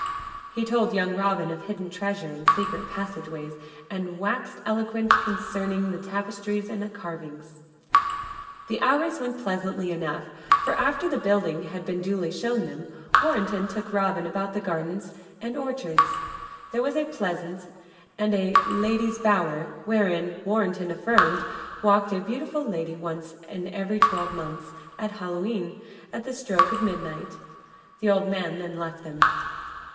He told young Robin of hidden treasure and secret passage ways, and waxed eloquent concerning the tapestries and carvings. The hours went pleasantly enough, for, after the building had been duly shown them, Warrenton took Robin about the gardens and orchards. There was a pleasance, and a "Lady's Bower," wherein, Warrenton affirmed, walked a beautiful lady once in every twelve months, at Hallow e'en, on the stroke of midnight. The old man then left them.